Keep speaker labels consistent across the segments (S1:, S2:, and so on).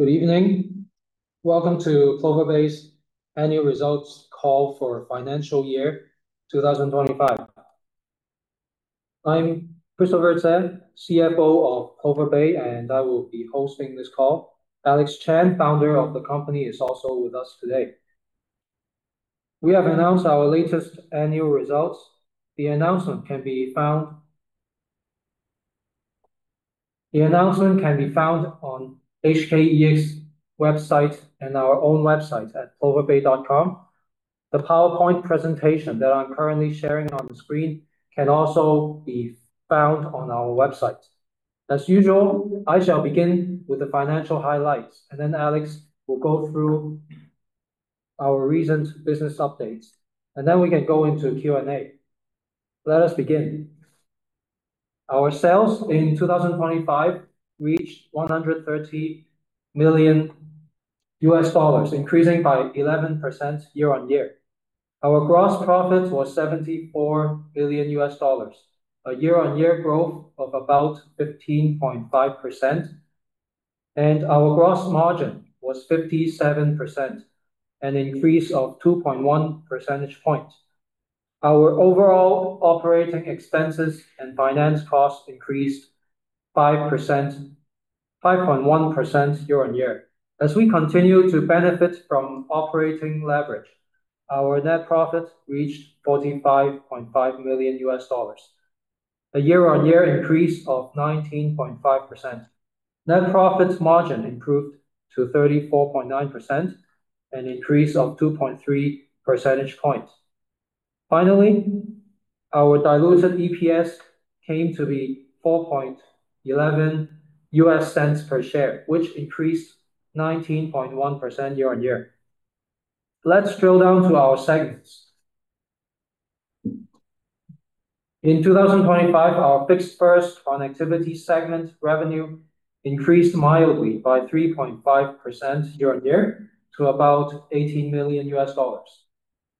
S1: Good evening. Welcome to Plover Bay's annual results call for financial year 2025. I'm Christopher Tse, CFO of Plover Bay, and I will be hosting this call. Alex Chan, founder of the company, is also with us today. We have announced our latest annual results. The announcement can be found on HKEX website and our own website at ploverbay.com. The PowerPoint presentation that I'm currently sharing on the screen can also be found on our website. As usual, I shall begin with the financial highlights, and then Alex will go through our recent business updates, and then we can go into Q&A. Let us begin. Our sales in 2025 reached $130 million, increasing by 11% year-on-year. Our gross profit was $74 million, a year-on-year growth of about 15.5%, and our gross margin was 57%, an increase of 2.1 percentage points. Our overall operating expenses and finance costs increased 5.1% year-on-year. As we continue to benefit from operating leverage, our net profit reached $45.5 million, a year-on-year increase of 19.5%. Net profit margin improved to 34.9%, an increase of 2.3 percentage points. Finally, our diluted EPS came to be $0.0411 per share, which increased 19.1% year-on-year. Let's drill down to our segments. In 2025, our Fixed First Connectivity segment revenue increased mildly by 3.5% year-on-year to about $18 million.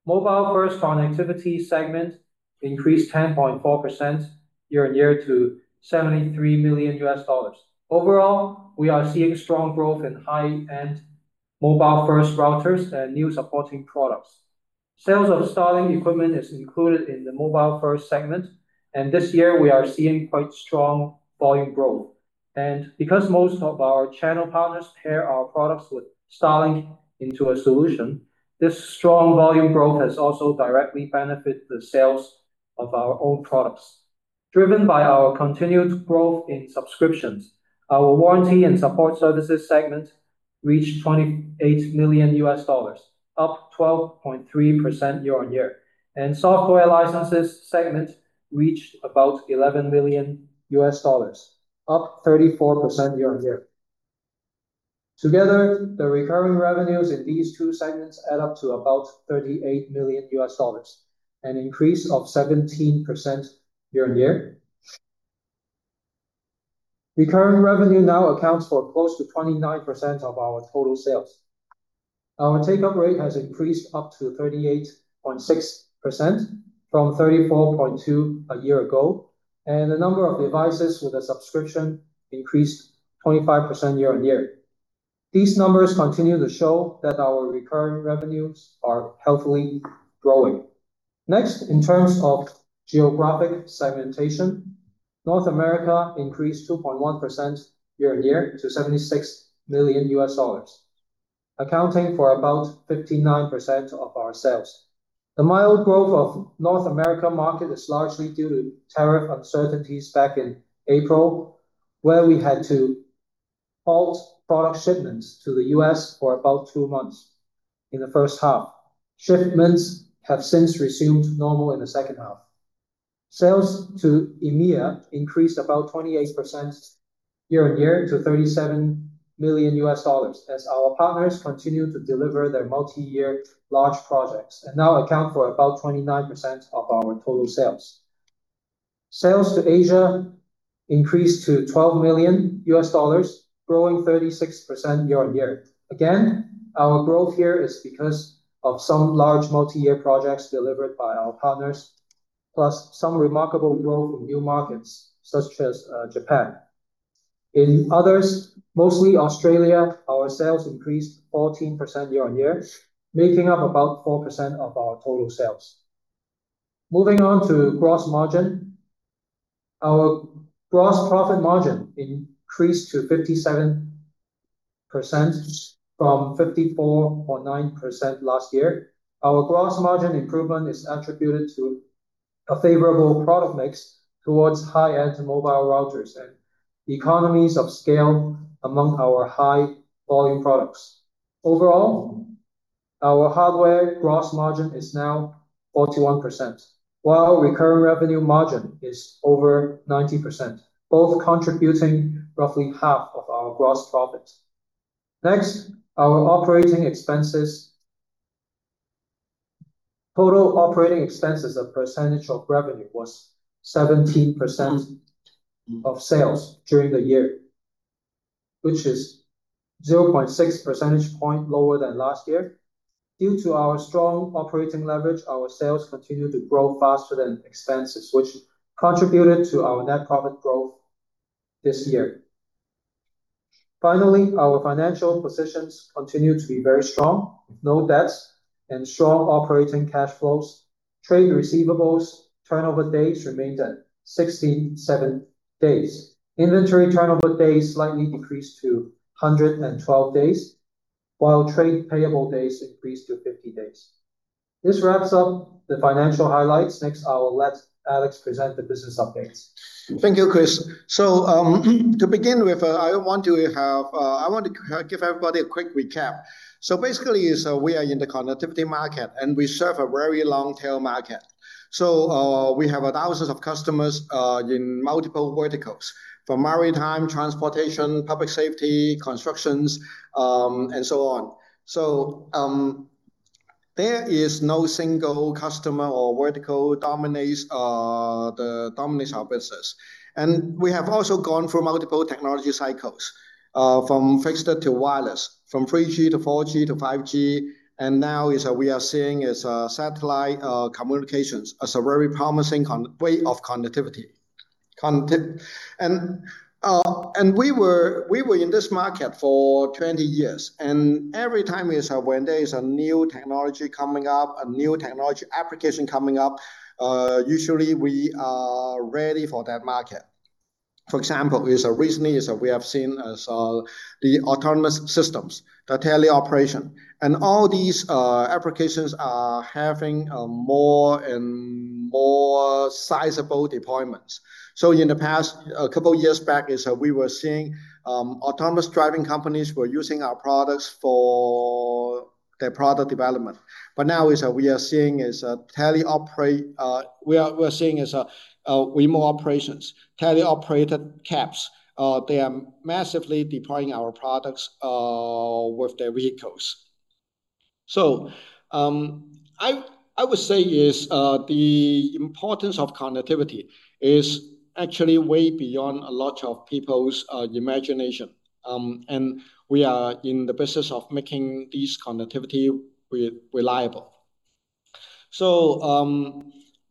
S1: Mobile First Connectivity segment increased 10.4% year-on-year to $73 million. Overall, we are seeing strong growth in high-end Mobile First routers and new supporting products. Sales of Starlink equipment is included in the Mobile First segment, this year we are seeing quite strong volume growth. Because most of our channel partners pair our products with Starlink into a solution, this strong volume growth has also directly benefit the sales of our own products. Driven by our continued growth in subscriptions, our warranty and support services segment reached $28 million, up 12.3% year-on-year, and software licenses segment reached about $11 million, up 34% year-on-year. The recurring revenues in these two segments add up to about $38 million, an increase of 17% year-on-year. Recurring revenue now accounts for close to 29% of our total sales. Our take-up rate has increased up to 38.6% from 34.2% a year ago, and the number of devices with a subscription increased 25% year-on-year. These numbers continue to show that our recurring revenues are healthily growing. Next, in terms of geographic segmentation, North America increased 2.1% year-on-year to $76 million, accounting for about 59% of our sales. The mild growth of North America market is largely due to tariff uncertainties back in April, where we had to halt product shipments to the U.S. for about two months in the first half. Shipments have since resumed normal in the second half. Sales to EMEA increased about 28% year-on-year to $37 million, as our partners continue to deliver their multi-year large projects and now account for about 29% of our total sales. Sales to Asia increased to $12 million, growing 36% year-on-year. Again, our growth here is because of some large multi-year projects delivered by our partners, plus some remarkable growth in new markets, such as Japan. In others, mostly Australia, our sales increased 14% year-on-year, making up about 4% of our total sales. Moving on to gross margin. Our gross profit margin increased to 57% from 54.9% last year. Our gross margin improvement is attributed to a favorable product mix towards high-end mobile routers and economies of scale among our high volume products. Overall, our hardware gross margin is now 41%, while recurring revenue margin is over 90%, both contributing roughly half of our gross profit. Next, our operating expenses. Total operating expenses, a percentage of revenue, was 17% of sales during the year, which is 0.6 percentage point lower than last year. Due to our strong operating leverage, our sales continued to grow faster than expenses, which contributed to our net profit growth this year. Finally, our financial positions continue to be very strong, with no debts and strong operating cash flows. Trade receivables turnover days remained at 67 days. Inventory turnover days slightly decreased to 112 days, while trade payable days increased to 50 days. This wraps up the financial highlights. Next, I will let Alex present the business updates.
S2: Thank you, Chris. To begin with, I want to give everybody a quick recap. Basically, we are in the connectivity market, and we serve a very long tail market. We have thousands of customers in multiple verticals, from maritime, transportation, public safety, constructions, and so on. There is no single customer or vertical dominates our business. We have also gone through multiple technology cycles, from fixed to wireless, from 3G to 4G to 5G, and now is that we are seeing is satellite communications as a very promising way of connectivity. We were in this market for 20 years, and every time is when there is a new technology coming up, a new technology application coming up, usually we are ready for that market. For example, recently we have seen the autonomous systems, the teleoperation, and all these applications are having more and more sizable deployments. In the past, a couple of years back, we were seeing autonomous driving companies were using our products for their product development. Now is, we are seeing is, teleoperate, remote operations, teleoperated cabs. They are massively deploying our products with their vehicles. I would say is, the importance of connectivity is actually way beyond a lot of people's imagination, and we are in the business of making this connectivity reliable.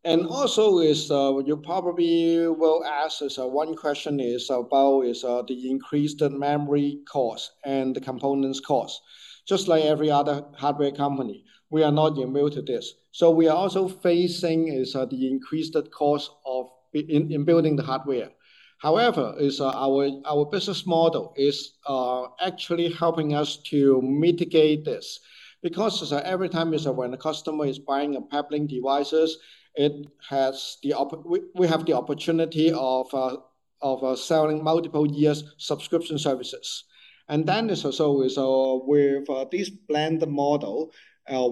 S2: And also is, you probably will ask is, one question is about is, the increased memory cost and the components cost. Just like every other hardware company, we are not immune to this. We are also facing is, the increased cost of in building the hardware. Our business model is, actually helping us to mitigate this. Because every time when a customer is buying a Peplink devices, we have the opportunity of selling multiple years subscription services. Also, with this blended model,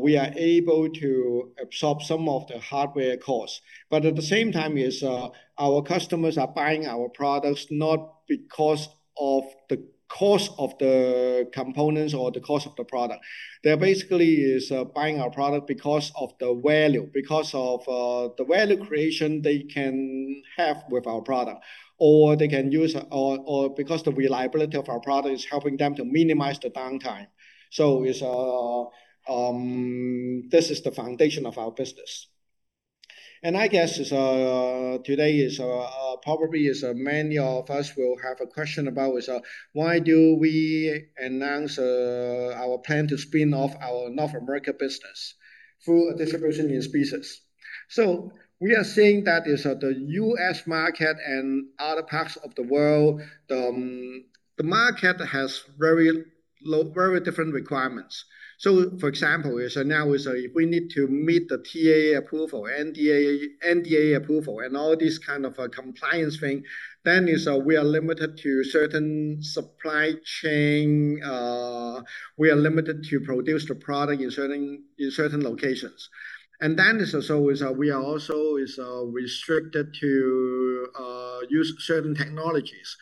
S2: we are able to absorb some of the hardware costs. At the same time, our customers are buying our products not because of the cost of the components or the cost of the product. They're basically buying our product because of the value, because of the value creation they can have with our product, or they can use, or because the reliability of our product is helping them to minimize the downtime. This is the foundation of our business. I guess is today is probably is many of us will have a question about is why do we announce our plan to spin off our North America business through a distribution in specie? We are seeing that is the U.S. market and other parts of the world, the market has very different requirements. For example is now is we need to meet the TAA approval, NDAA approval, and all this kind of compliance thing. We are limited to certain supply chain, we are limited to produce the product in certain locations. Also is also is we are also is restricted to use certain technologies.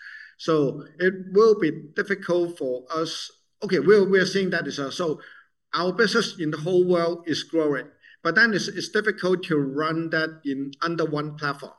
S2: It will be difficult for us... We are seeing that is, our business in the whole world is growing, but then it's difficult to run that in under one platform.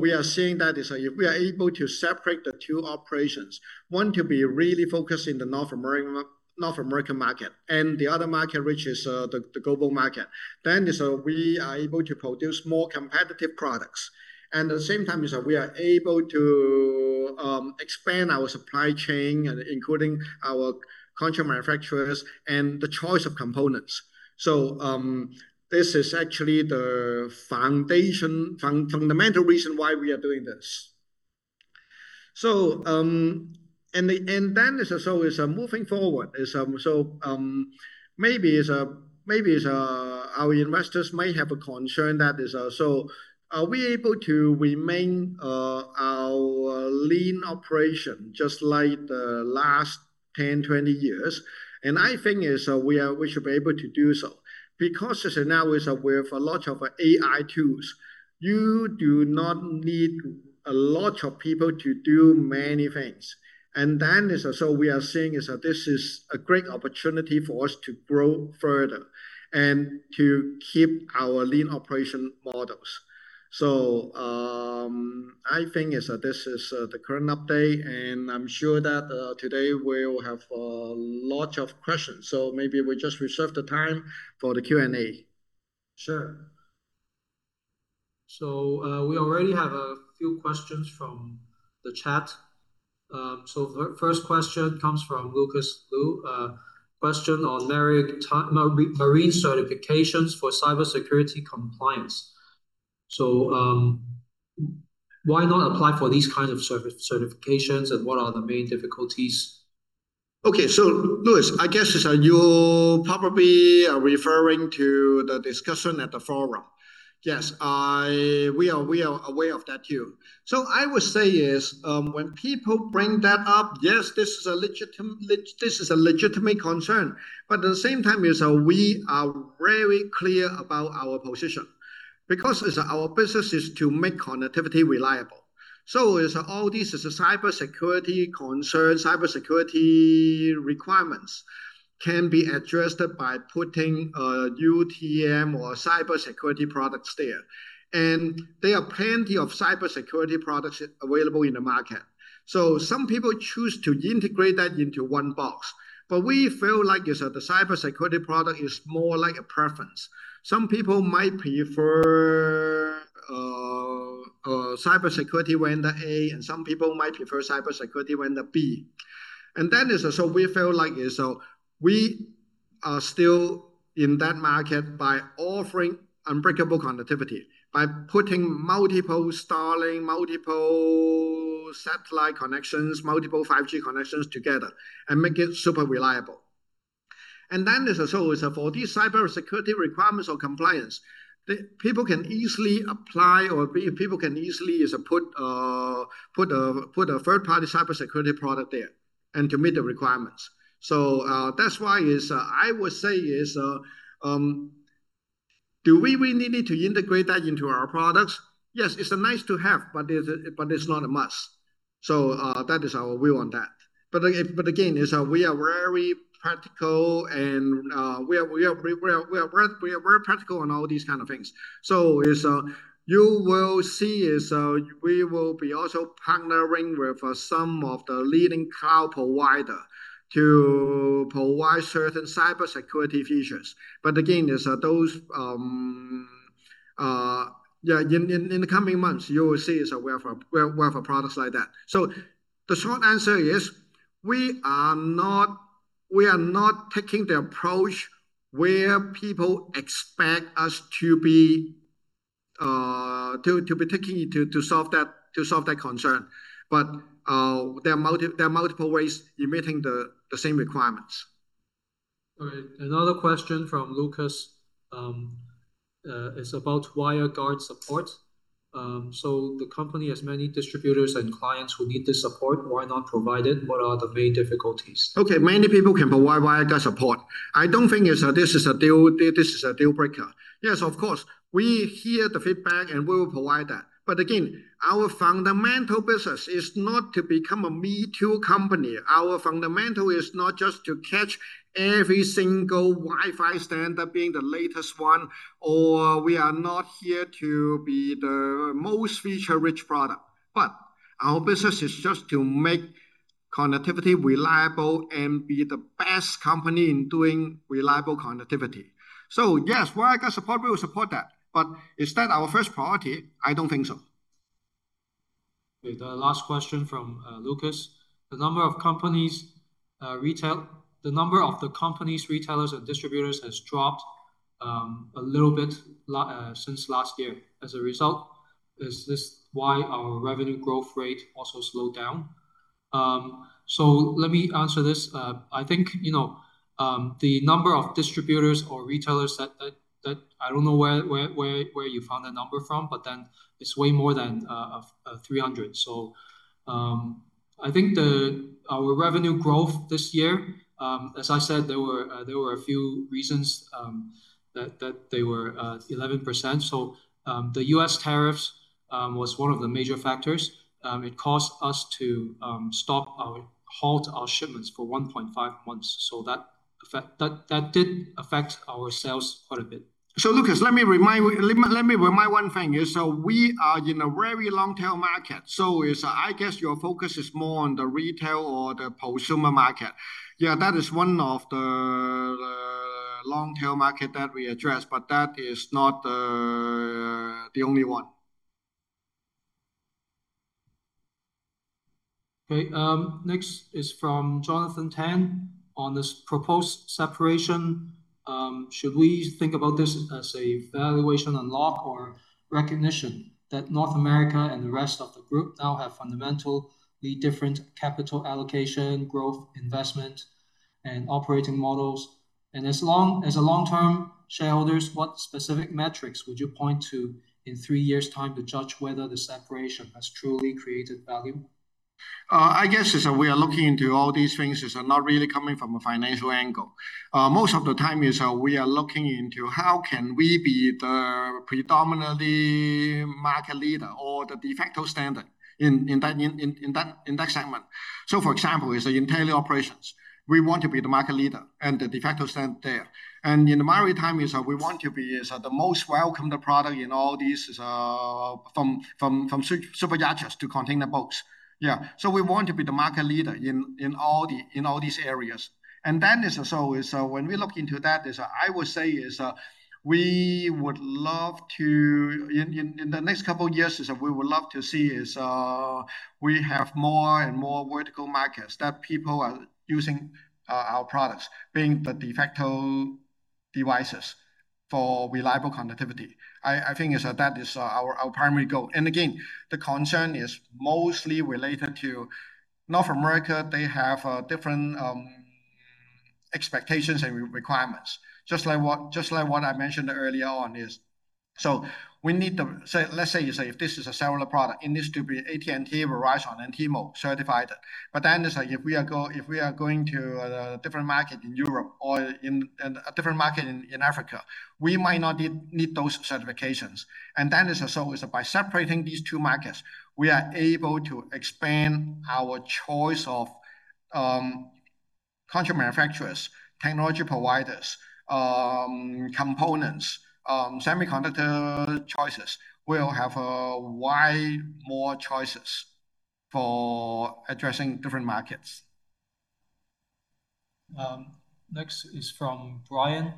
S2: We are seeing that is, if we are able to separate the two operations, one to be really focused in the North American market, and the other market, which is, the global market, then is, we are able to produce more competitive products. At the same time, is that we are able to expand our supply chain and including our contract manufacturers and the choice of components. This is actually the foundation, fundamental reason why we are doing this. Then is also is moving forward. Is, maybe is our investors might have a concern that is. Are we able to remain our lean operation just like the last 10, 20 years? I think is, we are, we should be able to do so because is now, with a lot of AI tools, you do not need a lot of people to do many things. We are seeing that this is a great opportunity for us to grow further and to keep our lean operation models. I think that this is the current update, and I'm sure that today we'll have lots of questions. Maybe we just reserve the time for the Q&A.
S1: Sure. We already have a few questions from the chat. First question comes from Lucas Lu. Question on marine certifications for cybersecurity compliance. Why not apply for these kinds of certifications, and what are the main difficulties?
S2: Okay. Lucas, I guess is, you probably are referring to the discussion at the forum. Yes, we are aware of that too. I would say is, when people bring that up, yes, this is a legitimate concern. At the same time, is, we are very clear about our position, because is our business is to make connectivity reliable. Is all these cybersecurity concerns, cybersecurity requirements can be addressed by putting a UTM or cybersecurity products there. There are plenty of cybersecurity products available in the market. Some people choose to integrate that into one box. We feel like, as the cybersecurity product is more like a preference. Some people might prefer cybersecurity vendor A, and some people might prefer cybersecurity vendor B. We feel like we are still in that market by offering unbreakable connectivity, by putting multiple Starlink, multiple satellite connections, multiple 5G connections together and make it super reliable. There's also for these cybersecurity requirements or compliance, the people can easily apply or people can easily put a third-party cybersecurity product there and to meet the requirements. That's why I would say, do we really need to integrate that into our products? Yes, it's a nice to have, but it's not a must. That is our view on that. Again, we are very practical and we are very practical on all these kind of things. You will see we will be also partnering with some of the leading cloud provider to provide certain cybersecurity features. Again, those in the coming months, you will see we have a products like that. The short answer is, we are not taking the approach where people expect us to be taking it to solve that concern. There are multiple ways emitting the same requirements.
S1: All right. Another question from Lucas, is about WireGuard support. The company has many distributors and clients who need this support. Why not provide it? What are the main difficulties?
S2: Okay, many people can provide WireGuard support. I don't think this is a deal breaker. Yes, of course, we hear the feedback, and we will provide that. Again, our fundamental business is not to become a me-too company. Our fundamental is not just to catch every single Wi-Fi standard being the latest one, or we are not here to be the most feature-rich product. Our business is just to make connectivity reliable and be the best company in doing reliable connectivity. Yes, WireGuard support, we will support that. Is that our first priority? I don't think so.
S1: The last question from Lucas: The number of companies, retailers, and distributors has dropped a little bit since last year. As a result, is this why our revenue growth rate also slowed down? Let me answer this. I think, you know, the number of distributors or retailers that I don't know where you found that number from, it's way more than 300. I think our revenue growth this year, as I said, there were a few reasons that they were 11%. The US tariffs was one of the major factors. It caused us to halt our shipments for 1.5 months. That did affect our sales quite a bit.
S2: Lucas, let me remind one thing, we are in a very long-tail market. I guess your focus is more on the retail or the prosumer market. Yeah, that is one of the long-tail market that we address, but that is not the only one.
S1: Okay, next is from Jonathan Tan. On this proposed separation, should we think about this as a valuation unlock or recognition that North America and the rest of the group now have fundamentally different capital allocation, growth, investment, and operating models? As a long-term shareholders, what specific metrics would you point to in three years' time to judge whether the separation has truly created value?
S2: I guess as we are looking into all these things is, not really coming from a financial angle. Most of the time is, we are looking into how can we be the predominantly market leader or the de facto standard in that segment. For example, is in tele operations, we want to be the market leader and the de facto standard there. In the maritime is, we want to be is, the most welcomed product in all these, from superyachts to container boats. Yeah. We want to be the market leader in all these areas. Then is also, is, when we look into that, is I would say is, we would love to... In the next couple of years is that we would love to see we have more and more vertical markets that people are using our products, being the de facto devices for reliable connectivity. I think is that our primary goal. Again, the concern is mostly related to North America. They have different expectations and requirements, just like what I mentioned earlier on. Let's say you say if this is a similar product, it needs to be AT&T, Verizon, and T-Mobile certified. Then, if we are going to different market in Europe or in a different market in Africa, we might not need those certifications. By separating these two markets, we are able to expand our choice of contract manufacturers, technology providers, components, semiconductor choices. We'll have wide more choices for addressing different markets.
S1: Next is from Brian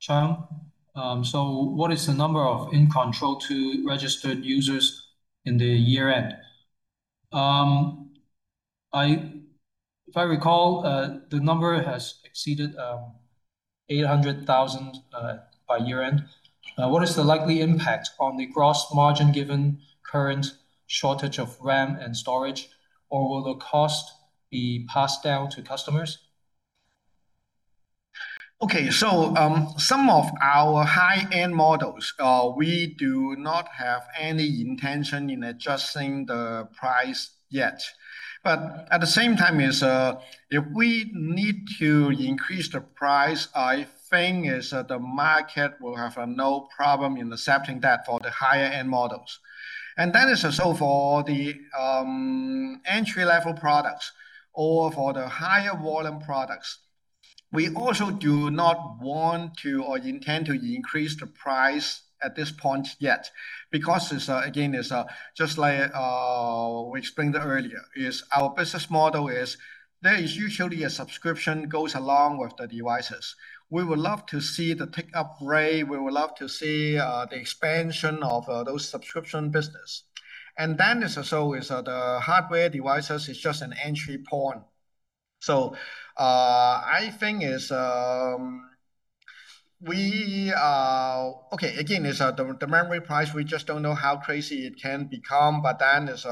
S1: Chung. What is the number of InControl 2 registered users in the year end? If I recall, the number has exceeded 800,000 by year end. What is the likely impact on the gross margin given current shortage of RAM and storage, or will the cost be passed down to customers?
S2: Some of our high-end models, we do not have any intention in adjusting the price yet. At the same time, if we need to increase the price, I think is that the market will have no problem in accepting that for the higher-end models. For the entry-level products or for the higher volume products, we also do not want to or intend to increase the price at this point yet. Again, just like we explained earlier, our business model is there is usually a subscription goes along with the devices. We would love to see the take-up rate, we would love to see the expansion of those subscription business. The hardware devices is just an entry point. I think is, we. Okay, again, is, the memory price, we just don't know how crazy it can become, but then is,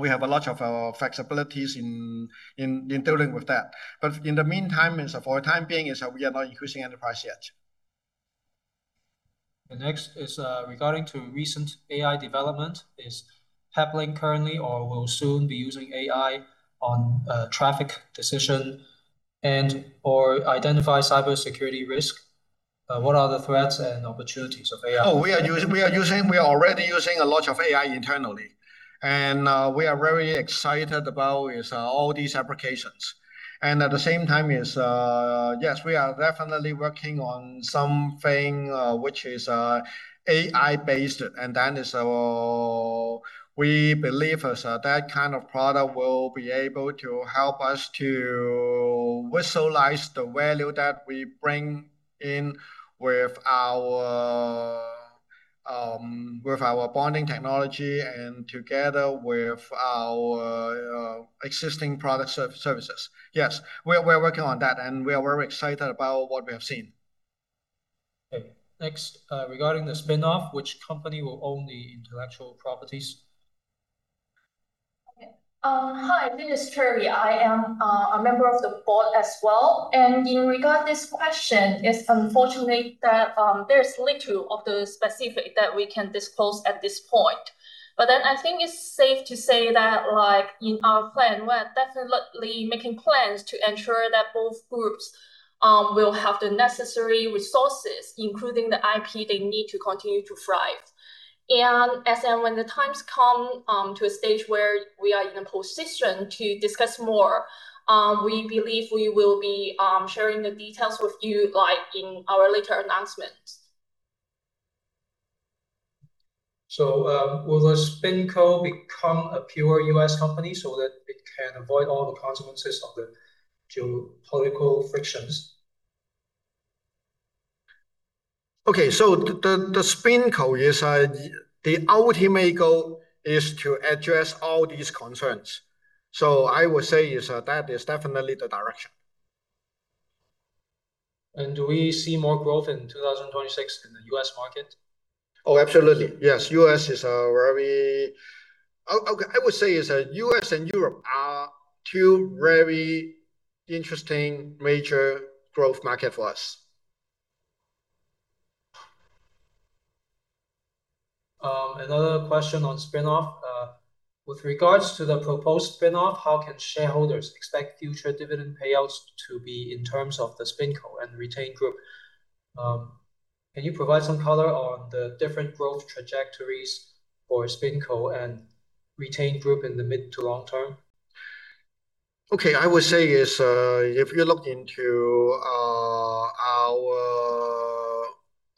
S2: we have a lot of flexibilities in dealing with that. In the meantime, is for the time being, that we are not increasing any price yet.
S1: The next is, regarding to recent AI development. Is Peplink currently or will soon be using AI on, traffic decision and, or identify cybersecurity risk? What are the threats and opportunities of AI?
S2: We are using, we are already using a lot of AI internally, and we are very excited about all these applications. At the same time, yes, we are definitely working on something which is AI-based, we believe that kind of product will be able to help us to visualize the value that we bring in with our with our bonding technology and together with our existing product services. Yes, we're working on that, and we are very excited about what we have seen.
S1: Okay. Next, regarding the spin-off, which company will own the intellectual properties?
S3: Okay. Hi, this is Cherry. I am a member of the board as well. In regard this question, is unfortunately, that there's little of the specific that we can disclose at this point. I think it's safe to say that, like, in our plan, we're definitely making plans to ensure that both groups will have the necessary resources, including the IP they need to continue to thrive. As and when the times come, to a stage where we are in a position to discuss more, we believe we will be sharing the details with you, like in our later announcement.
S1: Will the SpinCo become a pure U.S. company so that it can avoid all the consequences of the geopolitical frictions?
S2: The SpinCo is the ultimate goal is to address all these concerns. I would say is that is definitely the direction.
S1: Do we see more growth in 2026 in the U.S. market?
S2: Oh, absolutely. Yes, U.S. is a very. I would say is that U.S. and Europe are two very interesting major growth market for us.
S1: Another question on spin-off. With regards to the proposed spin-off, how can shareholders expect future dividend payouts to be in terms of the SpinCo and retained group? Can you provide some color on the different growth trajectories for SpinCo and retained group in the mid to long term?
S2: Okay, I would say is, if you look into our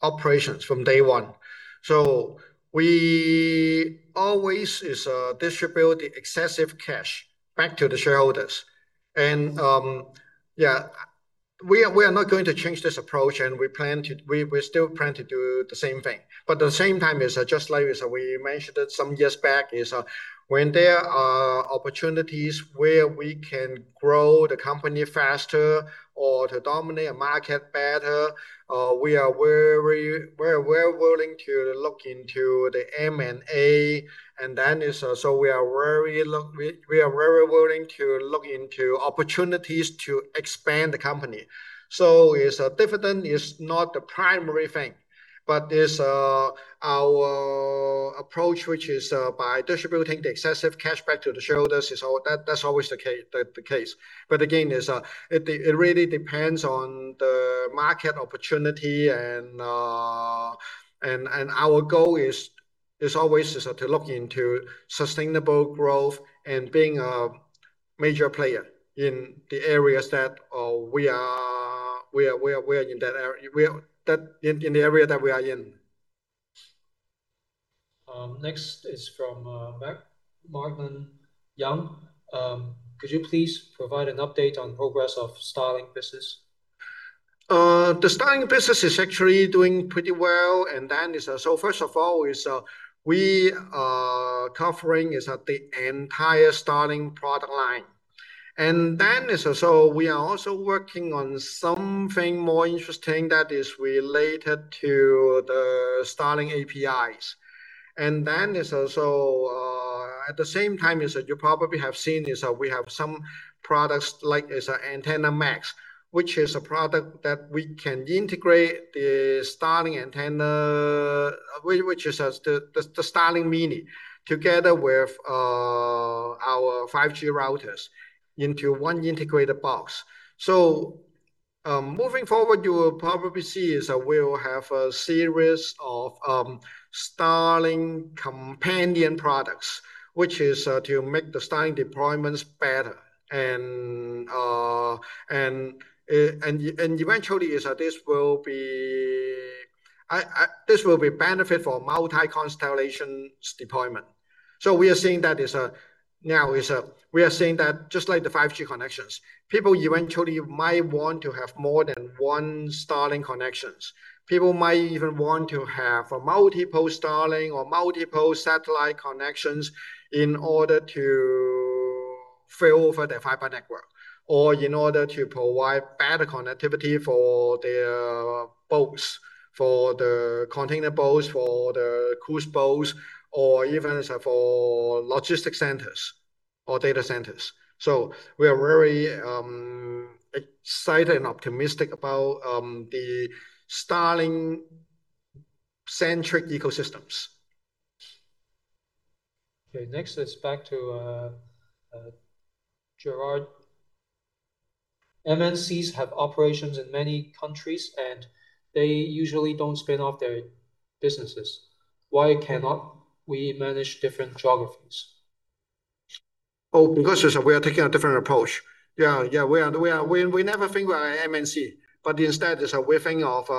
S2: operations from day one. We always is, distribute the excessive cash back to the shareholders. Yeah, we are not going to change this approach, and we still plan to do the same thing. At the same time, is just like we said, we mentioned it some years back, is, when there are opportunities where we can grow the company faster or to dominate a market better, we are very willing to look into the M&A, and then is, we are very willing to look into opportunities to expand the company. Is a dividend is not the primary thing, but is our approach, which is by distributing the excessive cash back to the shareholders, that's always the case. Again, it really depends on the market opportunity and our goal is always to look into sustainable growth and being a major player in the areas that we are in.
S1: Next is from, Marvin Young. Could you please provide an update on progress of Starlink business?
S2: The Starlink business is actually doing pretty well. First of all, we are covering is at the entire Starlink product line. We are also working on something more interesting that is related to the Starlink API. At the same time, is that you probably have seen we have some products like is Antenna MAX, which is a product that we can integrate the Starlink antenna, which is the Starlink Mini, together with our 5G routers into one integrated box. Moving forward, you will probably see is that we'll have a series of Starlink companion products, which is to make the Starlink deployments better. Eventually, is that this will be benefit for multi-constellation deployment. Now we are seeing that just like the 5G connections, people eventually might want to have more than one Starlink connections. People might even want to have a multi-post Starlink or multi-post satellite connections in order to fail over the fiber network, or in order to provide better connectivity for their boats, for the container boats, for the cruise boats, or even is for logistic centers or data centers. We are very excited and optimistic about the Starlink-centric ecosystems.
S1: Okay, next is back to Gerard. MNCs have operations in many countries. They usually don't spin off their businesses. Why cannot we manage different geographies?
S2: Oh, because is we are taking a different approach. Yeah, yeah, we are we never think we are an MNC, but instead we think of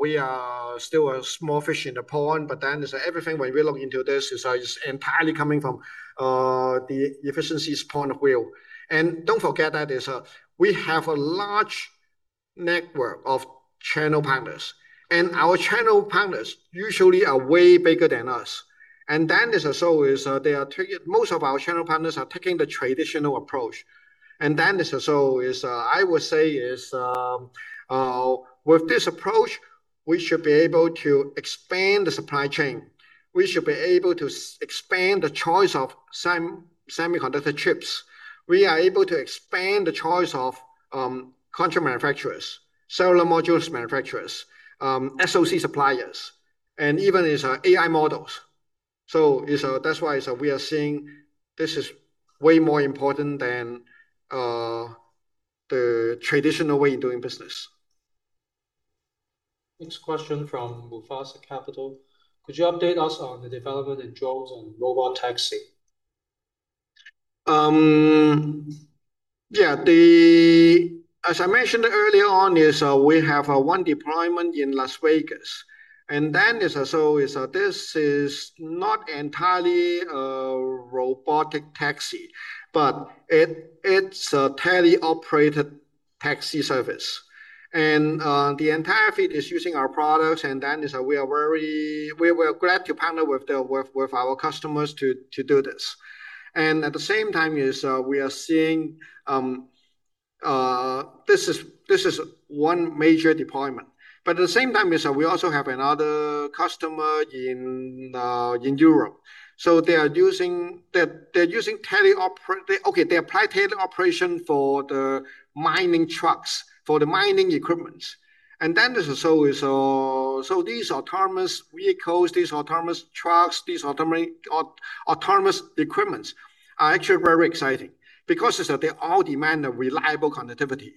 S2: we are still a small fish in the pond, but then everything, when we look into this, is entirely coming from the efficiencies point of view. Don't forget that we have a large network of channel partners, and our channel partners usually are way bigger than us. Then, so they are taking most of our channel partners are taking the traditional approach. Then, so I would say, with this approach, we should be able to expand the supply chain. We should be able to expand the choice of semiconductor chips. We are able to expand the choice of, contract manufacturers, solar modules manufacturers, SoC suppliers, and even AI models. That's why we are seeing this is way more important than the traditional way in doing business.
S1: Next question from Mufasa Capital: Could you update us on the development in drones and robot taxi?
S2: Yeah, as I mentioned earlier on, we have 1 deployment in Las Vegas. This is not entirely a robotic taxi, but it's a tele-operated taxi service. The entire fleet is using our products, we were glad to partner with our customers to do this. At the same time, we are seeing this is 1 major deployment. At the same time, we also have another customer in Europe. They are using teleoperation for the mining trucks, for the mining equipments. This is so these autonomous vehicles, these autonomous trucks, these autonomous equipments are actually very exciting because they all demand a reliable connectivity.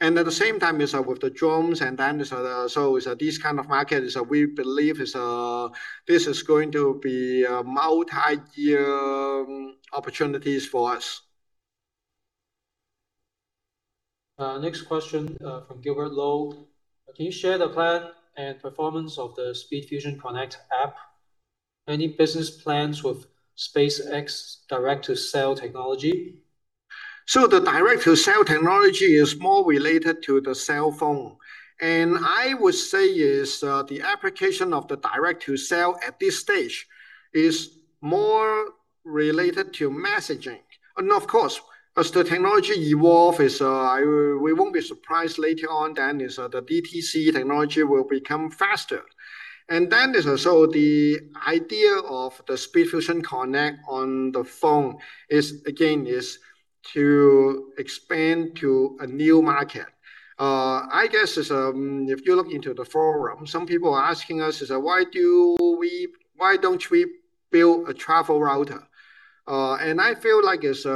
S2: At the same time, is with the drones, so these kind of markets, we believe is, this is going to be a multi-year opportunities for us.
S1: Next question from Gilbert Lowe: Can you share the plan and performance of the SpeedFusion Connect app? Any business plans with SpaceX Direct to Cell technology?
S2: The Direct to Cell technology is more related to the cell phone, and I would say is, the application of the Direct to Cell at this stage is more related to messaging. Of course, as the technology evolve, is, we won't be surprised later on, is the DTC technology will become faster. The idea of the SpeedFusion Connect on the phone is, again, is to expand to a new market. I guess is, if you look into the forum, some people are asking us is, why don't we build a travel router? I feel like is,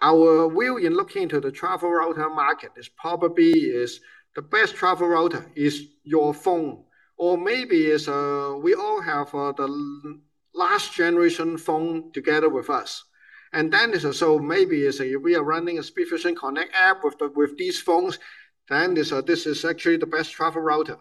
S2: our will in looking into the travel router market is probably is the best travel router is your phone, or maybe is, we all have, the last generation phone together with us. Maybe is, we are running a SpeedFusion Connect app with these phones, then this is actually the best travel router.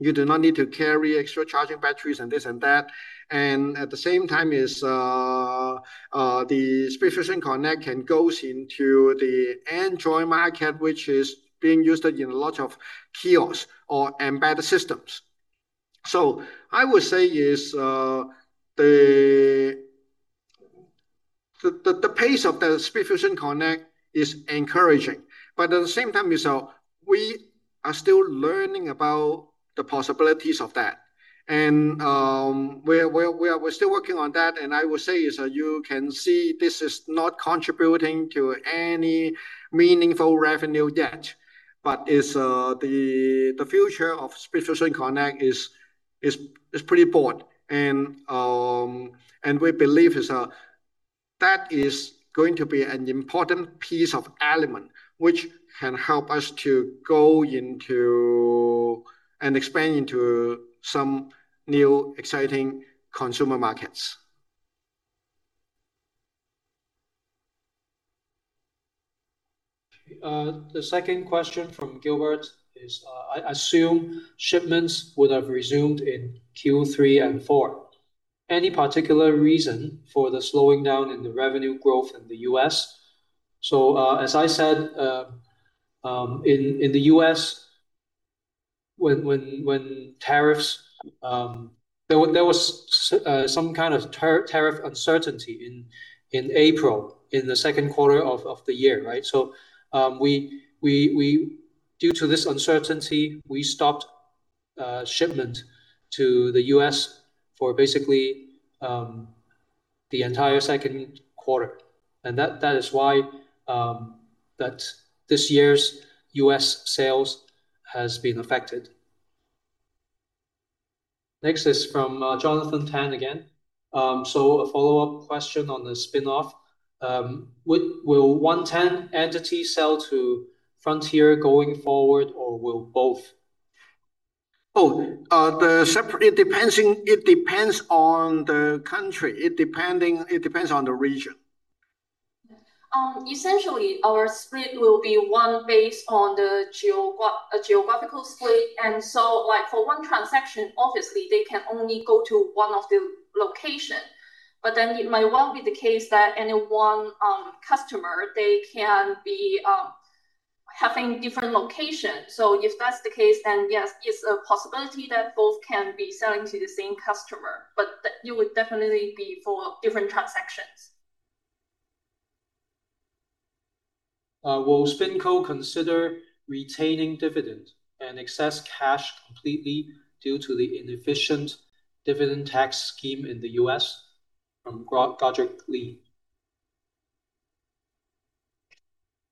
S2: You do not need to carry extra charging batteries and this and that. At the same time, is, the SpeedFusion Connect can goes into the Android market, which is being used in a lot of kiosks or embedded systems. I would say is, the pace of the SpeedFusion Connect is encouraging, but at the same time, is, we are still learning about the possibilities of that. We're still working on that, and I will say is, you can see this is not contributing to any meaningful revenue yet, but is, the future of SpeedFusion Connect is pretty broad. We believe that is going to be an important piece of element, which can help us to go into and expand into some new exciting consumer markets.
S1: The 2nd question from Gilbert is, I assume shipments would have resumed in Q3 and Q4. Any particular reason for the slowing down in the revenue growth in the U.S.? As I said, in the U.S., when tariffs, there was some kind of tariff uncertainty in April, in the 2nd quarter of the year, right? We, due to this uncertainty, we stopped shipment to the U.S. for basically the entire 2nd quarter. That is why this year's U.S. sales has been affected. Next is from Jonathan Tan again. A follow-up question on the spin-off. Will 110 entity sell to Frontier going forward, or will both?
S2: It depends on the country. It depends on the region.
S3: Essentially, our split will be 1 based on the geographical split. For 1 transaction, obviously, they can only go to 1 of the location. It might well be the case that any 1 customer, they can be having different locations. If that's the case, then yes, it's a possibility that both can be selling to the same customer, it would definitely be for different transactions.
S1: Will SpinCo consider retaining dividend and excess cash completely due to the inefficient dividend tax scheme in the U.S.? From Godrick Lee.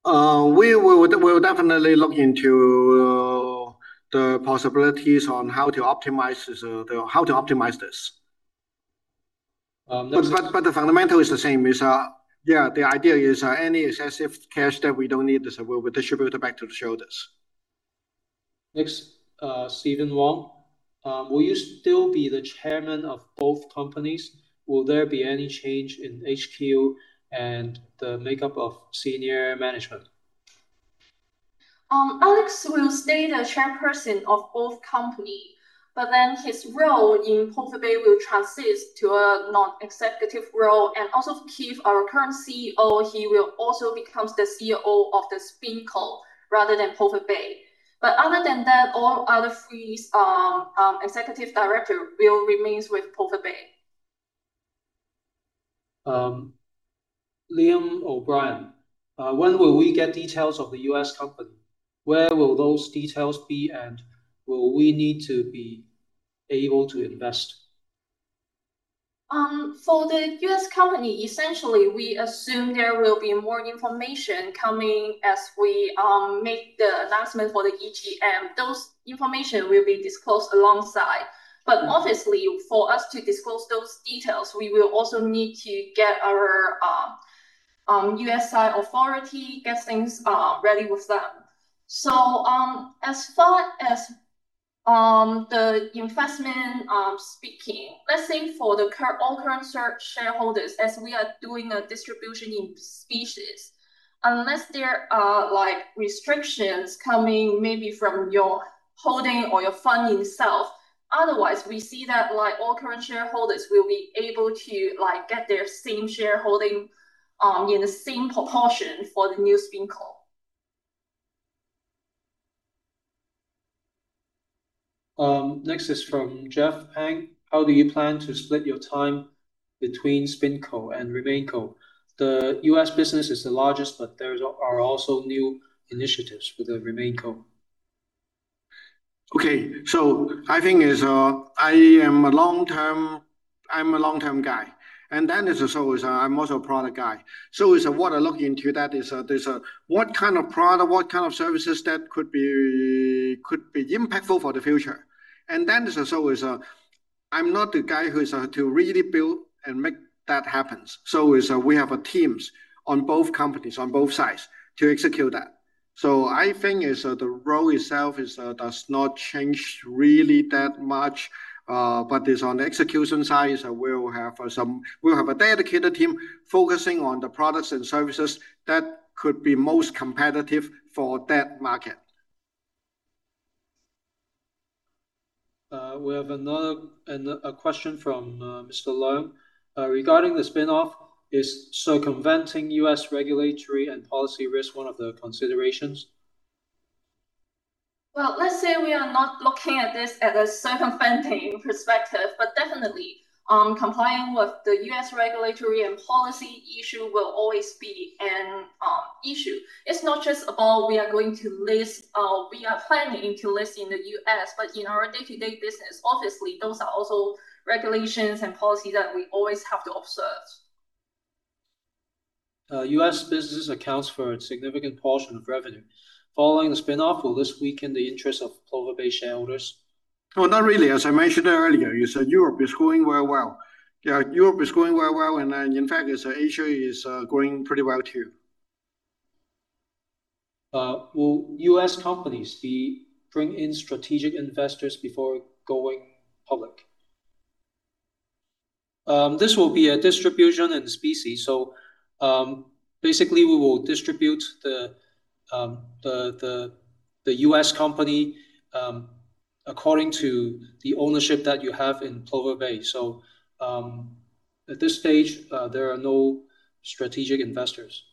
S2: We'll definitely look into the possibilities on how to optimize this.
S1: Um, next-
S2: The fundamental is the same, is, yeah, the idea is, any excessive cash that we don't need, is, we'll distribute it back to the shareholders.
S1: Steven Wong. Will you still be the chairman of both companies? Will there be any change in HQ and the makeup of senior management?
S3: Alex will stay the chairperson of both company, but then his role in Plover Bay will transit to a non-executive role, and also Keith, our current CEO, he will also becomes the CEO of the SpinCo rather than Plover Bay. Other than that, all other three executive director will remains with Plover Bay.
S1: When will we get details of the U.S. company? Where will those details be, and will we need to be able to invest?
S3: For the U.S. company, essentially, we assume there will be more information coming as we make the announcement for the EGM. Those information will be disclosed alongside. Obviously, for us to disclose those details, we will also need to get our U.S. side authority, get things ready with them. As far as the investment speaking, let's say for all current shareholders, as we are doing a distribution in specie, unless there are, like, restrictions coming maybe from your holding or your fund itself, otherwise, we see that, like, all current shareholders will be able to, like, get their same shareholding in the same proportion for the new SpinCo.
S1: Next is from Jeff Pang: How do you plan to split your time between SpinCo and RemainCo? The U.S. business is the largest, but there's are also new initiatives for the RemainCo.
S2: Okay. I'm a long-term guy, I'm also a product guy. What I look into that is what kind of product, what kind of services that could be impactful for the future? I'm not the guy who is to really build and make that happens. We have teams on both companies, on both sides to execute that. I think the role itself does not change really that much, but on the execution side we'll have a dedicated team focusing on the products and services that could be most competitive for that market.
S1: We have another, a question from Mr. Leung: Regarding the spin-off, is circumventing U.S. regulatory and policy risk one of the considerations?
S3: Let's say we are not looking at this at a circumventing perspective, but definitely, complying with the U.S. regulatory and policy issue will always be an issue. It's not just about we are going to list, or we are planning to list in the U.S., but in our day-to-day business, obviously, those are also regulations and policy that we always have to observe.
S1: U.S. business accounts for a significant portion of revenue. Following the spin-off, will this weaken the interest of Plover Bay shareholders?
S2: Oh, not really. As I mentioned earlier, is that Europe is going very well. Yeah, Europe is going very well, and in fact, Asia is growing pretty well, too.
S1: Will U.S. companies be bring in strategic investors before going public? This will be a distribution in specie. Basically, we will distribute the U.S. company, according to the ownership that you have in Plover Bay. At this stage, there are no strategic investors.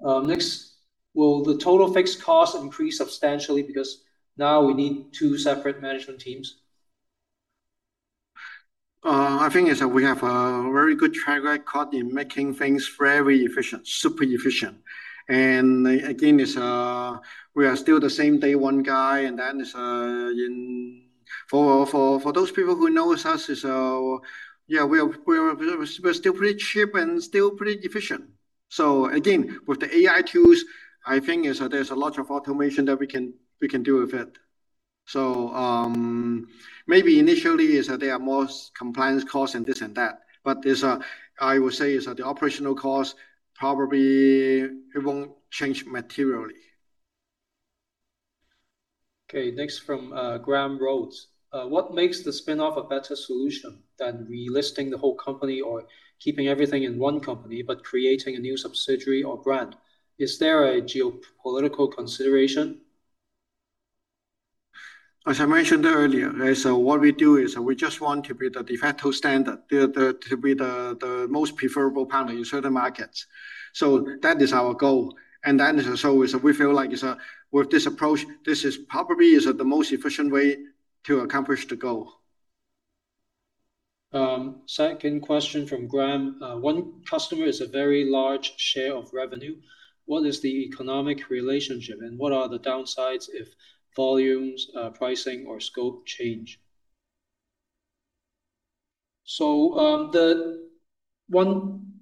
S1: Next, will the total fixed cost increase substantially because now we need two separate management teams?
S2: I think we have a very good track record in making things very efficient, super efficient. Again, we are still the same day one guy, and then for those people who knows us, yeah, we're still pretty cheap and still pretty efficient. Again, with the AI tools, I think there's a lot of automation that we can do with it. Maybe initially, there are more compliance costs and this and that, but I would say that the operational cost, probably it won't change materially.
S1: Okay, next from, Graham Rhodes: What makes the spin-off a better solution than relisting the whole company or keeping everything in one company, but creating a new subsidiary or brand? Is there a geopolitical consideration?
S2: As I mentioned earlier, right, what we do is, we just want to be the de facto standard, to be the most preferable partner in certain markets. That is our goal, is also, we feel like is, with this approach, this is probably the most efficient way to accomplish the goal.
S1: Second question from Graham: One customer is a very large share of revenue. What is the economic relationship, and what are the downsides if volumes, pricing, or scope change?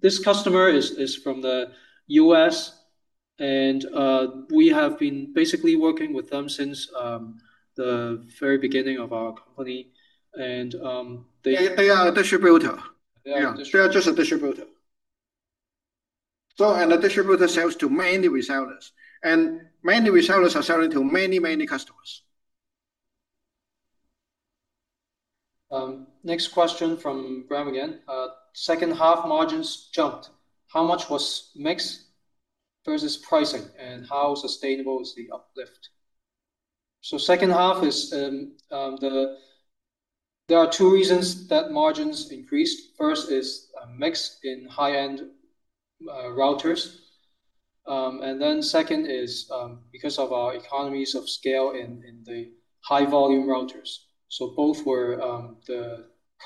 S1: This customer is from the US, and we have been basically working with them since the very beginning of our company.
S2: They are a distributor.
S1: They are a distributor.
S2: They are just a distributor. The distributor sells to many resellers, and many resellers are selling to many, many customers.
S1: Next question from Graham again: Second half margins jumped. How much was mix versus pricing, and how sustainable is the uplift?
S2: Second half is. There are two reasons that margins increased. First is a mix in high-end routers. Second is because of our economies of scale in the high volume routers. Both were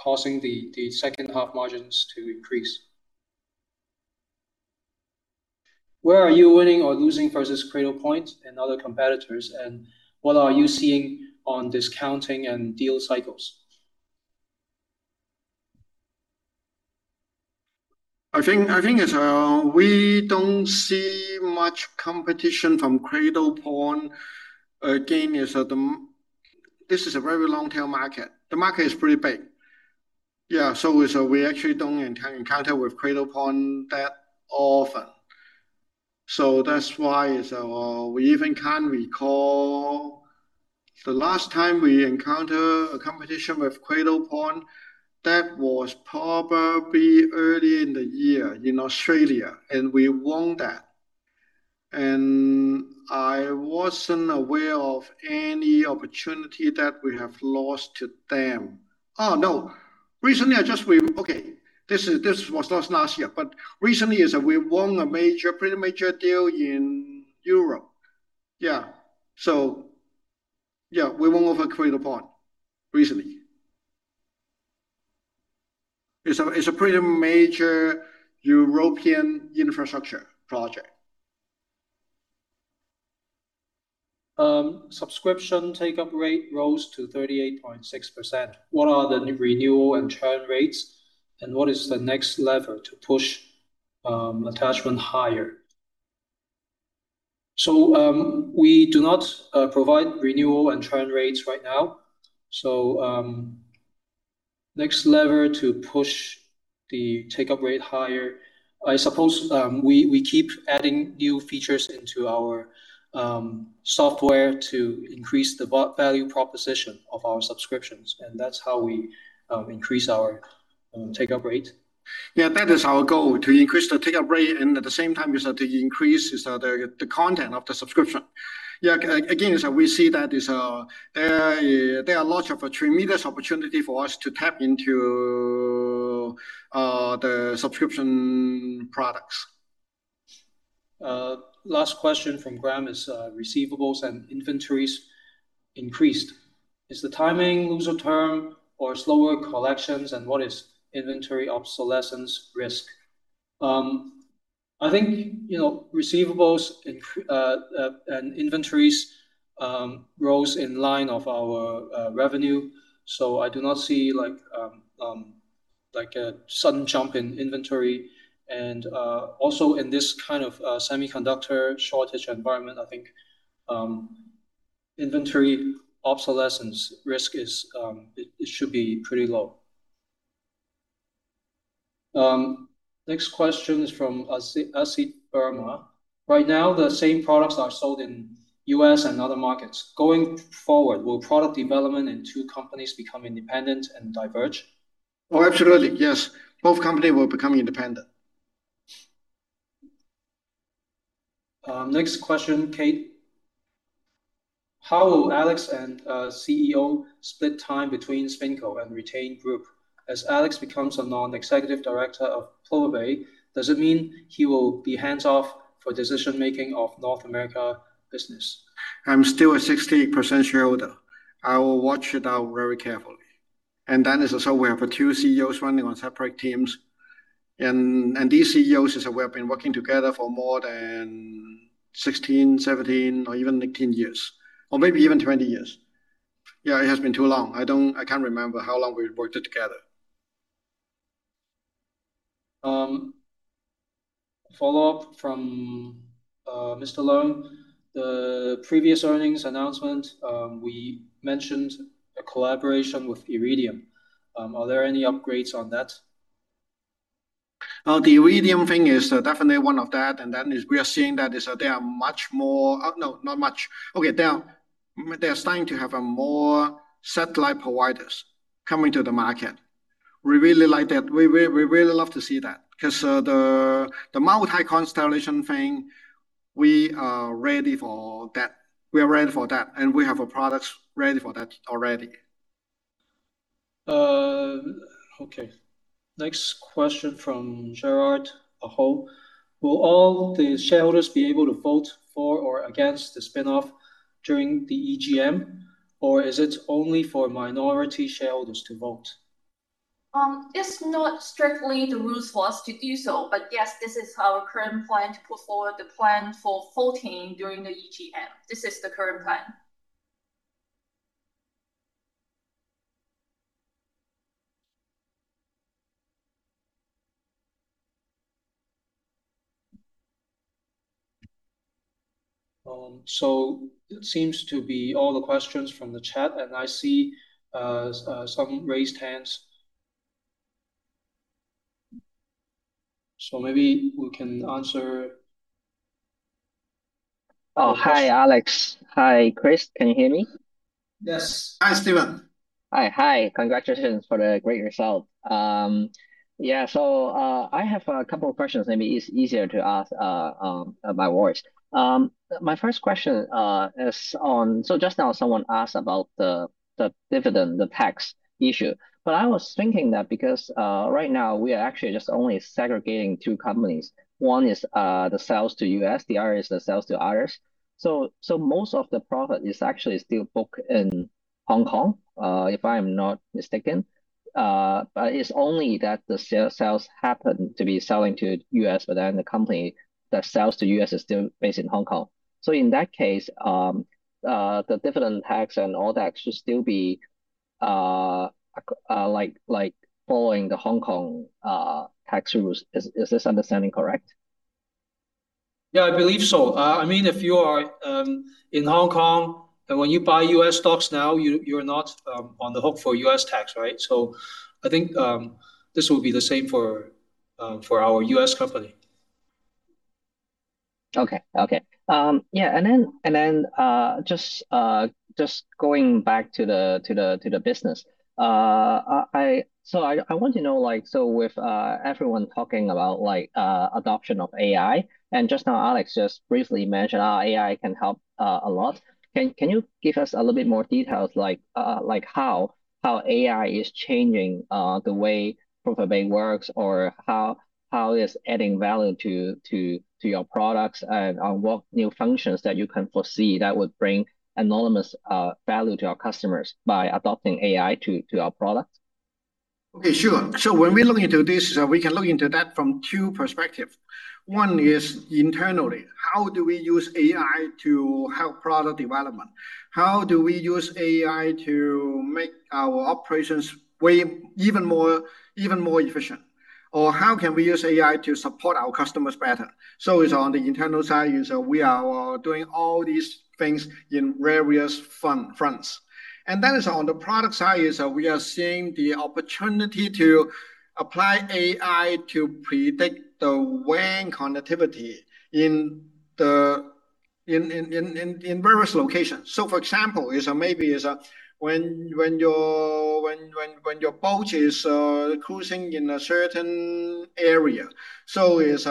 S2: causing the second half margins to increase.
S1: Where are you winning or losing versus Cradlepoint and other competitors, and what are you seeing on discounting and deal cycles?
S2: I think it's, we don't see much competition from Cradlepoint. Again, it's, this is a very long tail market. The market is pretty big. We actually don't encounter with Cradlepoint that often. That's why is, we even can't recall the last time we encounter a competition with Cradlepoint, that was probably early in the year in Australia, and we won that. I wasn't aware of any opportunity that we have lost to them. Recently, I just Okay, this is, this was last year, but recently is that we won a major, pretty major deal in Europe. We won over Cradlepoint recently. It's a, it's a pretty major European infrastructure project.
S1: Subscription take-up rate rose to 38.6%. What are the renewal and churn rates, and what is the next lever to push attachment higher? We do not provide renewal and churn rates right now. Next lever to push the take-up rate higher, I suppose, we keep adding new features into our software to increase the broad value proposition of our subscriptions, and that's how we increase our take-up rate.
S2: Yeah, that is our goal, to increase the take-up rate, and at the same time is to increase the content of the subscription. Yeah, again, we see that there are lots of tremendous opportunity for us to tap into the subscription products.
S1: Last question from Graham is, receivables and inventories increased. Is the timing loser term or slower collections, and what is inventory obsolescence risk? I think, you know, receivables and inventories rose in line of our revenue. I do not see like a sudden jump in inventory. Also in this kind of semiconductor shortage environment, I think, inventory obsolescence risk is it should be pretty low. Next question is from Asi Bharma: Right now, the same products are sold in U.S. and other markets. Going forward, will product development in two companies become independent and diverge?
S2: absolutely, yes. Both company will become independent.
S1: Next question, Kate. How will Alex and CEO split time between SpinCo and retained group? As Alex becomes a non-executive director of Plover Bay, does it mean he will be hands-off for decision-making of North America business?
S2: I'm still a 60% shareholder. I will watch it out very carefully. That is also we have 2 CEOs running on separate teams, and these CEOs is, we have been working together for more than 16, 17, or even 18 years, or maybe even 20 years. Yeah, it has been too long. I can't remember how long we worked together.
S1: Follow-up from, Mr. Leung. The previous earnings announcement, we mentioned a collaboration with Iridium. Are there any upgrades on that?
S2: The Iridium thing is definitely one of that. We are seeing that is, there are much more... no, not much. Okay, they are starting to have a more satellite providers coming to the market. We really like that. We really love to see that 'cause, the multi-constellation thing, we are ready for that. We are ready for that, and we have a product ready for that already.
S1: Okay. Next question from Gerard Aho: Will all the shareholders be able to vote for or against the spin-off during the EGM, or is it only for minority shareholders to vote?
S3: It's not strictly the rules for us to do so, but yes, this is our current plan to put forward the plan for voting during the EGM. This is the current plan.
S1: It seems to be all the questions from the chat, and I see some raised hands. Maybe we can answer-
S4: Oh, hi, Alex. Hi, Chris. Can you hear me?
S1: Yes.
S2: Hi, Steven.
S4: Hi. Hi. Congratulations for the great result. Yeah, I have a couple of questions. Maybe it's easier to ask by voice. My first question is on... Just now, someone asked about the dividend, the tax issue. I was thinking that because right now we are actually just only segregating two companies. One is the sales to U.S., the other is the sales to others. Most of the product is actually still booked in Hong Kong, if I'm not mistaken. It's only that the sales happen to be selling to U.S., the company that sells to U.S. is still based in Hong Kong. In that case, the dividend tax and all that should still be like following the Hong Kong tax rules. Is this understanding correct?
S2: Yeah, I believe so. I mean, if you are in Hong Kong, when you buy U.S. stocks now, you're not on the hook for U.S. tax, right? I think this will be the same for our U.S. company.
S4: Okay. Okay. Yeah, just going back to the business. I want to know, like, so with everyone talking about adoption of AI, and just now Alex just briefly mentioned how AI can help a lot. Can you give us a little bit more details like how AI is changing the way Peplink works, or how it's adding value to your products, and what new functions that you can foresee that would bring enormous value to our customers by adopting AI to our products?
S2: Okay, sure. When we look into this, we can look into that from two perspective. One is internally, how do we use AI to help product development? How do we use AI to make our operations way even more efficient? Or how can we use AI to support our customers better? It's on the internal side, we are doing all these things in various fronts. It's on the product side, we are seeing the opportunity to apply AI to predict the WAN connectivity in various locations. For example, is maybe when your boat is cruising in a certain area. Is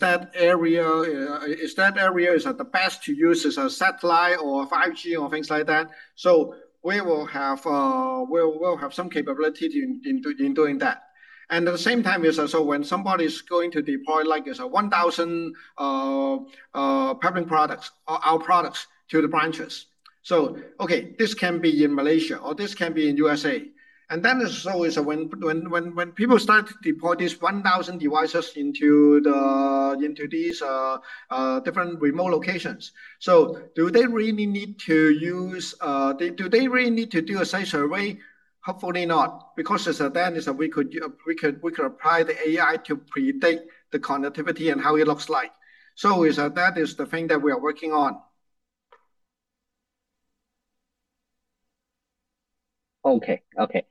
S2: that area, is that the best to use as a satellite or a 5G or things like that? We will have some capability in doing that. At the same time, when somebody is going to deploy, like, 1,000 Peplink products or our products to the branches. Okay, this can be in Malaysia, or this can be in USA. When people start to deploy these 1,000 devices into these different remote locations. Do they really need to do a site survey? Hopefully not, because we could apply the AI to predict the connectivity and how it looks like. is that the thing that we are working on.
S4: Okay, okay.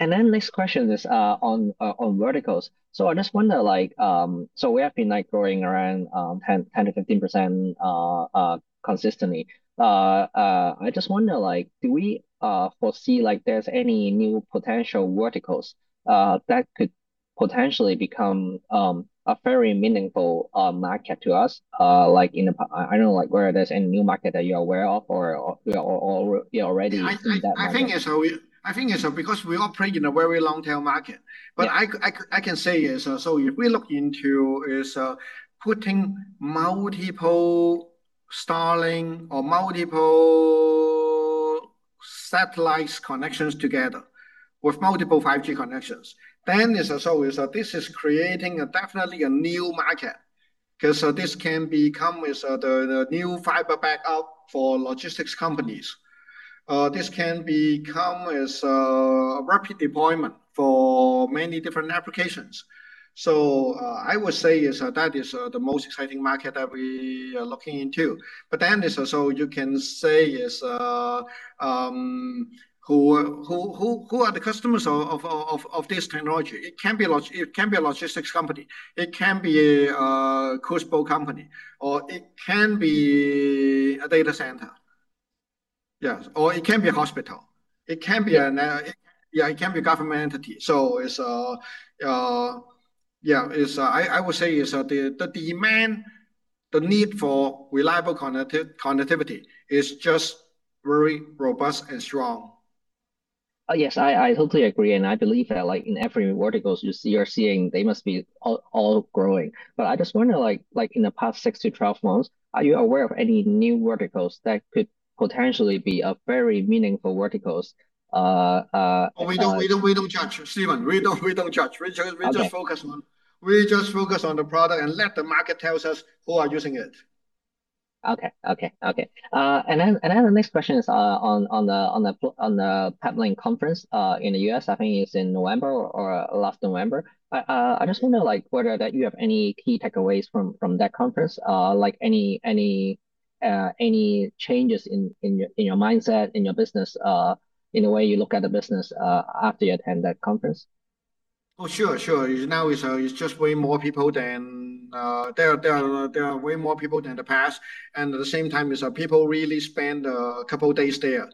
S4: Next question is on verticals. I just wonder, like, we have been, like growing around 10-15% consistently. I just wonder, like, do we foresee, like there's any new potential verticals that could potentially become a very meaningful market to us? Like I don't know, like whether there's any new market that you're aware of or you already in that market.
S2: I think it's because we operate in a very long-term market.
S4: Yeah.
S2: I can say is, if we look into is, putting multiple Starlink or multiple satellites connections together with multiple 5G connections, this is creating a definitely a new market. This can become is, the new fiber backup for logistics companies. This can become is, rapid deployment for many different applications. I would say is that is, the most exciting market that we are looking into. You can say is, who are the customers of this technology? It can be a logistics company, it can be a cruise boat company, or it can be a data center. Yes. Or it can be a hospital. Yeah, it can be a government entity. Yeah, I would say that the demand, the need for reliable connectivity is just very robust and strong.
S4: yes, I totally agree, I believe that, like, in every verticals you're seeing, they must be all growing. I just wonder, like, in the past 6 to 12 months, are you aware of any new verticals that could potentially be a very meaningful verticals?
S2: We don't judge, Steven. We don't judge.
S4: Okay.
S2: We just focus on the product and let the market tells us who are using it.
S4: Okay, okay. Then the next question is on the Peplink conference in the U.S. I think it's in November or last November. I just want to know, like, whether that you have any key takeaways from that conference, like any changes in your mindset, in your business, in the way you look at the business, after you attend that conference?
S2: Oh, sure. Now it's just way more people than. There are way more people than in the past, at the same time, is that people really spend a couple of days there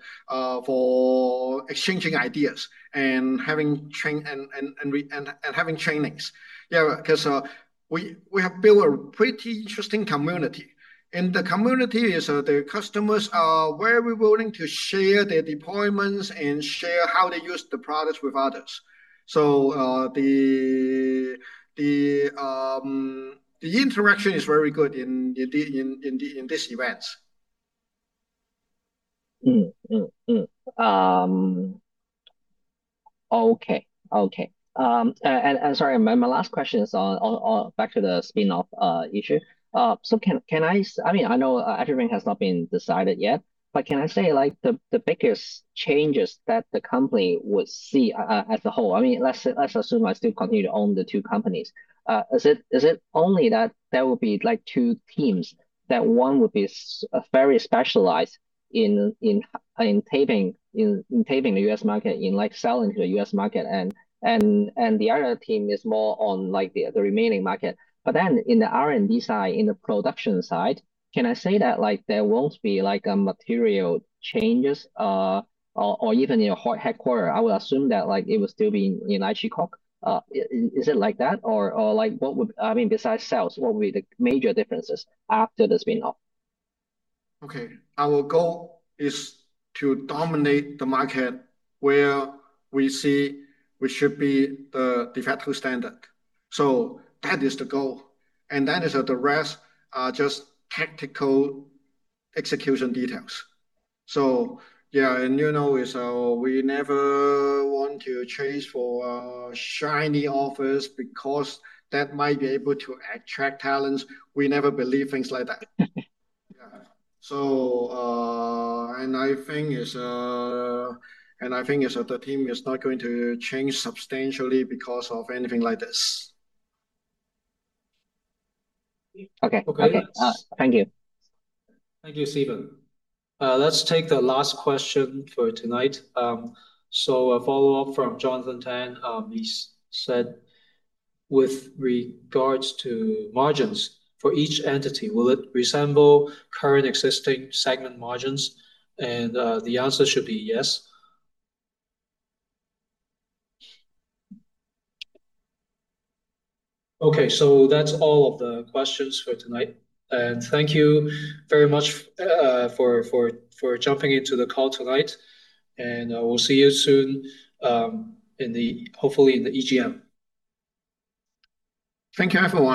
S2: for exchanging ideas and having trainings. Yeah, because we have built a pretty interesting community, and the community is, the customers are very willing to share their deployments and share how they use the products with others. The interaction is very good in these events.
S4: Okay. Okay. And sorry, my last question is on back to the spin-off issue. Can I mean, I know everything has not been decided yet, but can I say, like, the biggest changes that the company would see as a whole? I mean, let's assume I still continue to own the two companies. Is it only that there will be, like, two teams, that one would be very specialized in taping, in taping the U.S. market, in, like, selling to the U.S. market, and the other team is more on, like, the remaining market? In the R&D side, in the production side, can I say that, like, there won't be, like, a material changes, or even in a headquarter? I would assume that, like, it would still be in Lai Chi Kok. Is it like that? Or, like, what would... I mean, besides sales, what would be the major differences after the spin-off?
S2: Okay. Our goal is to dominate the market where we see we should be the de facto standard. That is the goal, and that is the rest are just tactical execution details. Yeah, and you know, we never want to chase for shiny offers because that might be able to attract talents. We never believe things like that. Yeah. And I think it's that the team is not going to change substantially because of anything like this.
S4: Okay.
S2: Okay.
S4: Thank you.
S1: Thank you, Steven. Let's take the last question for tonight. A follow-up from Jonathan Tan. He said, "With regards to margins for each entity, will it resemble current existing segment margins?" The answer should be yes. Okay, that's all of the questions for tonight, and thank you very much for jumping into the call tonight, and I will see you soon, hopefully, in the EGM.
S2: Thank you, everyone.